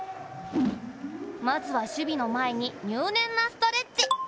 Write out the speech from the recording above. まずは守備の前に入念なストレッチ。